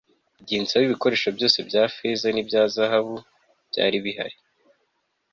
igihe nsahuye ibikoresho byose bya feza n'ibya zahabu byari bihari